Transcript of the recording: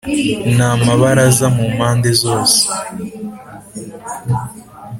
N amabaraza mu mpande zose